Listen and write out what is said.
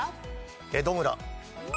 江戸村。